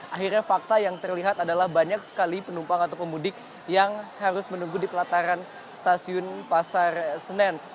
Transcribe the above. akhirnya fakta yang terlihat adalah banyak sekali penumpang atau pemudik yang harus menunggu di pelataran stasiun pasar senen